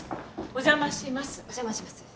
お邪魔します。